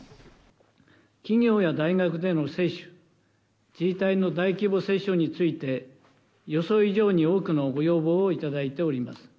企業や大学での接種、自治体の大規模接種について、予想以上に多くのご要望を頂いております。